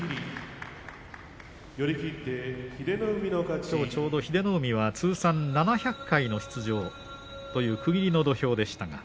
きょう英乃海は通算７００回の出場という区切りの土俵でした。